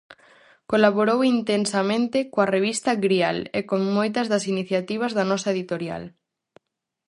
Colaborou intensamente coa revista Grial e con moitas das iniciativas da nosa editorial.